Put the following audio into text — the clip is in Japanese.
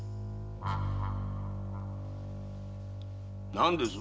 何です？